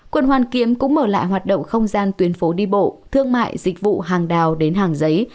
quận hoàn kiếm cũng mở lại hoạt động không gian tuyến phố đi bộ thương mại dịch vụ hàng đào đến hàng giấy